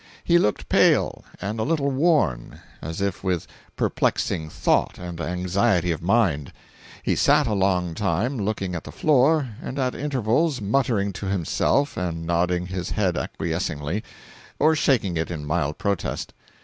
He looked pale, and a little worn, as if with perplexing thought and anxiety of mind. He sat a long time, looking at the floor, and at intervals muttering to himself and nodding his head acquiescingly or shaking it in mild protest.